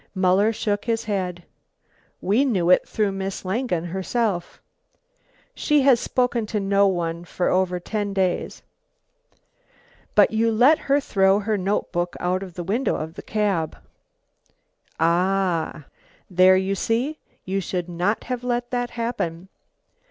Muller shook his head. "We knew it through Miss Langen herself." "She has spoken to no one for over ten days." "But you let her throw her notebook out of the window of the cab." "Ah " "There, you see, you should not have let that happen."